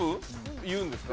言うんですか？